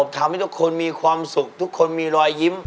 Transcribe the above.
ทำให้ทุกคนมีความสุขทุกคนมีรอยยิ้ม